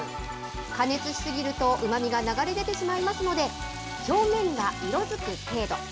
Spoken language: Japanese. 加熱し過ぎると、うまみが流れ出てしまいますので、表面が色づく程度。